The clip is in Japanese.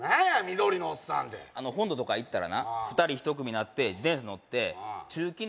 緑のおっさんてあの本土とか行ったらな２人一組なって自転車乗って駐禁